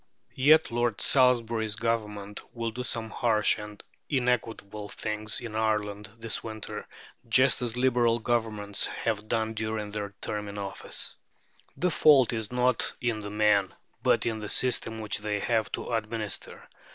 Yet Lord Salisbury's Government will do some harsh and inequitable things in Ireland this winter, just as Liberal Governments have done during their term of office. The fault is not in the men, but in the system which they have to administer.